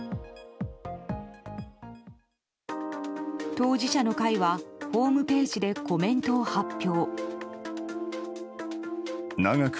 当事者の会はホームページでコメントを発表。